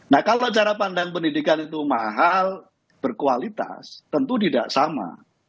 nah kalau cara pandang pendidikan itu mahal berkualitas tentu tidak sama